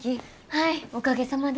はいおかげさまで。